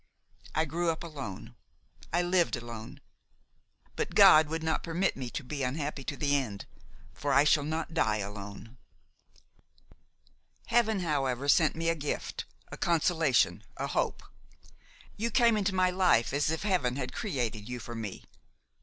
I grew up alone, I lived alone; but God would not permit me to be unhappy to the end, for I shall not die alone. "Heaven however sent me a gift, a consolation, a hope. You came into my life as if Heaven had created you for me.